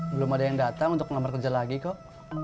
belum ada yang datang untuk ngamar kerja lagi kok